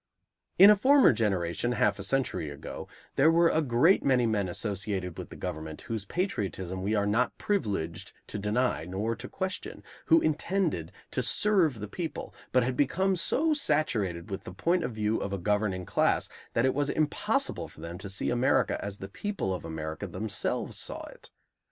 In a former generation, half a century ago, there were a great many men associated with the government whose patriotism we are not privileged to deny nor to question, who intended to serve the people, but had become so saturated with the point of view of a governing class that it was impossible for them to see America as the people of America themselves saw it.